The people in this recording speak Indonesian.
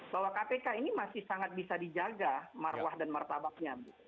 bahwa kpk ini masih sangat bisa dijaga marwah dan martabaknya